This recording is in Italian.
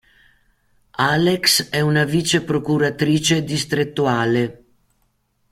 Alex è una vice procuratrice distrettuale.